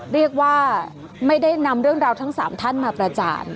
เรียกว่าไม่ได้นำเรื่องราวทั้ง๓ท่านมาประจาน